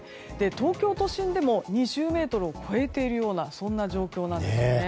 東京都心でも２０メートルを超えているような状況なんです。